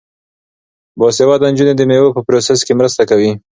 باسواده نجونې د میوو په پروسس کې مرسته کوي.